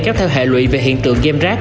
kéo theo hệ lụy về hiện tượng game rác